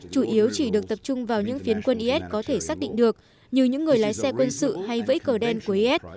chủ yếu chỉ được tập trung vào những phiến quân is có thể xác định được như những người lái xe quân sự hay vẫy cờ đen của is